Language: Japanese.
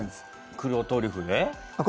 黒トリュフで？